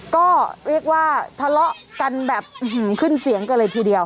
ก็เรียกว่าทะเลาะกันแบบขึ้นเสียงกันเลยทีเดียว